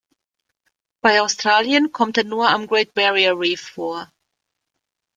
Bei Australien kommt er nur am Great Barrier Reef vor.